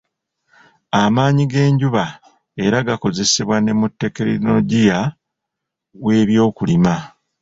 Amaanyi g'enjuba era gakozesebwa ne mu tekinologiya w'ebyokulima